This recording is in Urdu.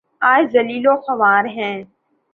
آج ذلیل وخوار ہیں۔